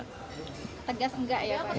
tegas nggak ya pak